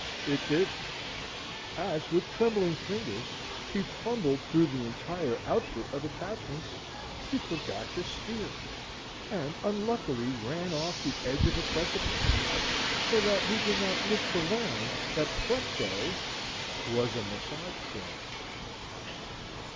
It did. As, with trembling fingers, he fumbled through the entire outfit of attachments, he forgot to steer, and unluckily ran off the edge of a precipice; so that he did not live to learn that plexo was a massage cream.